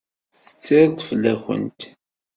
Tetter-d fell-awent.